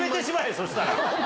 そしたら。